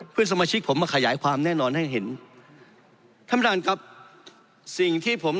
เพื่อนสมาชิกผมมาขยายความแน่นอนให้เห็น